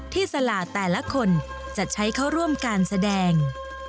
สลาแต่ละคนจะใช้เข้าร่วมการแสดง